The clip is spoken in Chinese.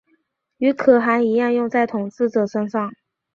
与可汗一样用在统治者身上。